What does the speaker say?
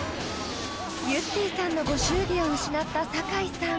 ［ゆってぃさんのご祝儀を失った酒井さん］